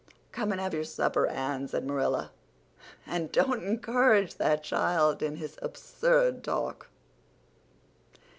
"Come and have your supper, Anne," said Marilla, "and don't encourage that child in his absurd talk."